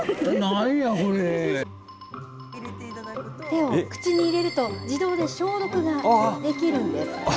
手を口に入れると、自動で消毒ができるんです。